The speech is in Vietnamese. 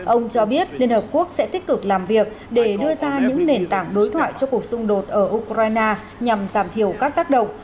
ông cho biết liên hợp quốc sẽ tích cực làm việc để đưa ra những nền tảng đối thoại cho cuộc xung đột ở ukraine nhằm giảm thiểu các tác động